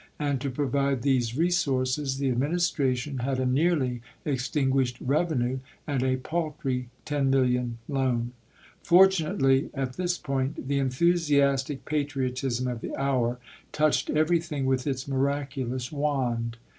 And to provide these resources, the Administration had a nearly extinguished revenue and a paltry ten million loan ! Fortunately, at this point, the enthusiastic patriotism of the hour touched everything with its miraculous wand.